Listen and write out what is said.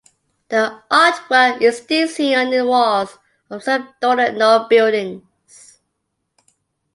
The artwork is still seen in the walls of some Dolon Nor buildings.